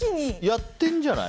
やってるんじゃない？